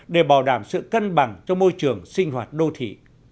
để bảo đảm sự cân bằng cho môi trường sinh hoạt đô thị